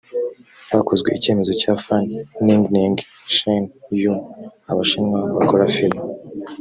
hakozwe icyemezo cya fan ningning chen yu abashinwa bakora filimi